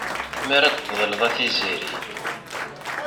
Mi ara d-teḍilleḍ a tiziri.